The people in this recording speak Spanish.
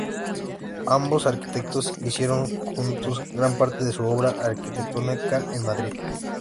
Ambos arquitectos hicieron juntos gran parte de su obra arquitectónica en Madrid.